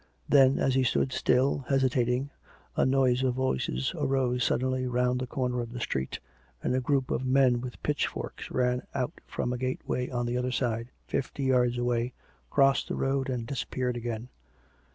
Then, as he stood still, hesitating, a noise of voices arose suddenly round the corner of the street, and a group of men witli pitchforks ran out from a gateway on the other side, fifty yards away, crossed the road, and disappeared again.